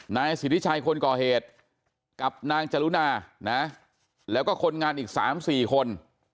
นายสิทธิชัยคนก่อเหตุกับนางจรุณานะแล้วก็คนงานอีก๓๔คน